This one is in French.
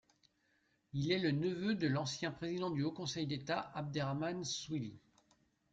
Il est le neveu de l'ancien président du Haut Conseil d'État, Abderrahmane Souihli.